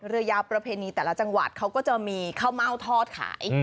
เรือยาวประเพณีแต่ละจังหวัดเขาก็จะมีข้าวเม่าทอดขาย